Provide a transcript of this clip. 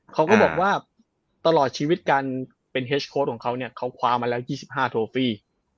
เขาก็บอกว่าตลอดชีวิตการเป็นเฮสโค้ดของเขาเนี่ยเขาคว้ามาแล้ว๒๕โทฟี่